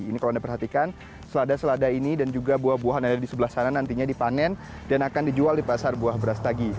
ini kalau anda perhatikan selada selada ini dan juga buah buahan yang ada di sebelah sana nantinya dipanen dan akan dijual di pasar buah beras tagi